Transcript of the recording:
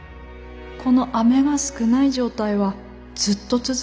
この雨が少ない状態はずっと続ぐの？